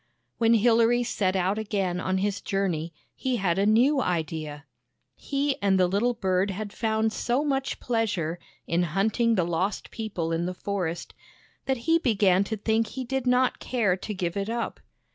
When Hilary set out again on his journey, he had a new idea. He and the little bird had found so much pleasure in hunting the lost people in the forest, that he began to think he did not care to give it up.